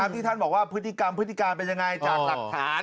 ที่ท่านบอกว่าพฤติกรรมพฤติการเป็นยังไงจากหลักฐาน